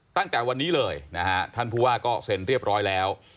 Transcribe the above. ตั้งแต่วันนี้เลยนะฮะท่านผู้ว่าก็เซ็นเรียบร้อยแล้ว